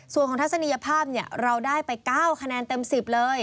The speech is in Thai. ส่วนของทัศนียภาพเราได้ไป๙คะแนนเต็ม๑๐เลย